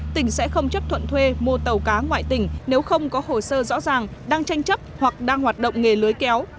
tỉnh sẽ không chấp thuận thuê mua tàu cá ngoại tỉnh nếu không có hồ sơ rõ ràng đang tranh chấp hoặc đang hoạt động nghề lưới kéo